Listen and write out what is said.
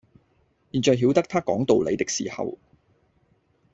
現在曉得他講道理的時候，